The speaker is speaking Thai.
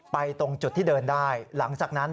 ตรงจุดที่เดินได้หลังจากนั้น